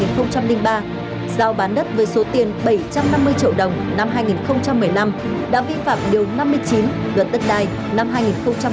giao bán đất với số tiền bảy trăm năm mươi triệu đồng năm hai nghìn một mươi năm đã vi phạm điều năm mươi chín luật đất đai năm hai nghìn một mươi bảy